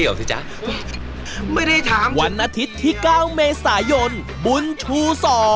วันอาทิตย์ที่๙เมษายนบุญชู๒